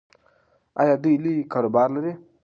ایا دوی لوی کاروبار لري؟